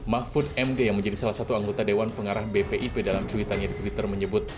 mahfud md yang menjadi salah satu anggota dewan pengarah bpip dalam cuitannya di twitter menyebut